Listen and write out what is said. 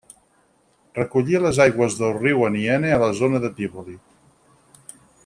Recollia les aigües del riu Aniene a la zona de Tívoli.